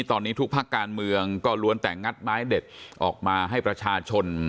ตอนนี้ทุกภาคการเมืองก็ล้วนแต่งัดไม้เด็ดออกมาให้ประชาชน